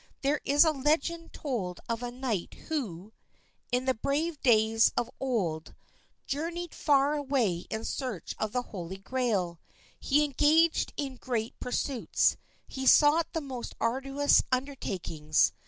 There is a legend told of a knight who,— "In the brave days of old," journeyed far away in search of the Holy Grail. He engaged in great pursuits. He sought the most arduous undertakings.